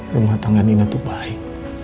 rumah tangga nino tuh baik